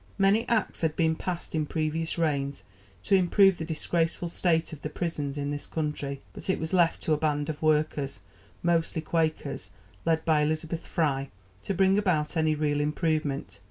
Many acts had been passed in previous reigns to improve the disgraceful state of the prisons in this country, but it was left to a band of workers, mostly Quakers, led by Elizabeth Fry, to bring about any real improvement.